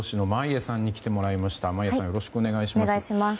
眞家さんよろしくお願いします。